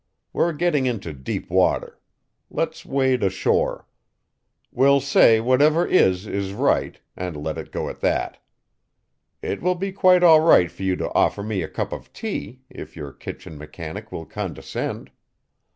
We're getting into deep water. Let's wade ashore. We'll say whatever is is right, and let it go at that. It will be quite all right for you to offer me a cup of tea, if your kitchen mechanic will condescend.